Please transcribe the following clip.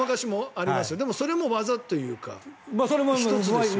それも技というか１つですよね。